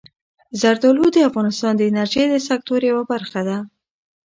زردالو د افغانستان د انرژۍ د سکتور یوه برخه ده.